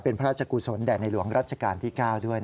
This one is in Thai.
เป็นพระราชกุศวรรษแด่หน่อยหลวงรัชกาลที่ก้าวด้วย